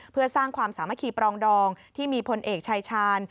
เพื่อสร้างความสามัคคีปรองดองที่มีพลเอกชายชาญ